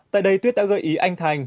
tại đây tuyết đã gợi ý anh thành